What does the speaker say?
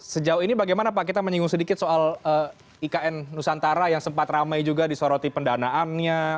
sejauh ini bagaimana pak kita menyinggung sedikit soal ikn nusantara yang sempat ramai juga disoroti pendanaannya